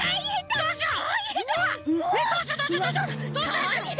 えっどうしよう。